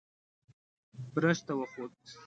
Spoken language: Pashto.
برج ته وخوت.